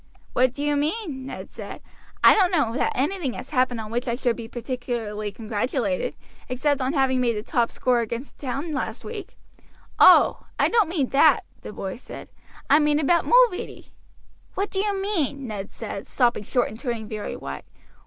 "What do you mean?" Ned said. "I don't know that anything has happened on which I should be particularly congratulated, except on having made the top score against the town last week." "Oh! I don't mean that," the boy said.. "I mean about Mulready." "What do you mean?" Ned said, stopping short and turning very white.